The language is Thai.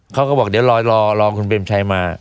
เขาก็บอกเดี๋ยวรอคุณเบรมชัยมา